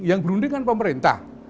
yang berunding kan pemerintah